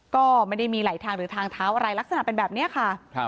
ก็ไม่ได้มีไหลทางหรือทางเท้าอะไรลักษณะเป็นแบบนี้ค่ะ